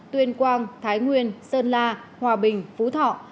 tuyên quang thái nguyên sơn la hòa bình phú thọ